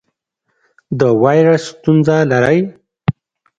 د وایرس ستونزه لرئ؟